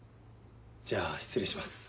じゃあ失礼します。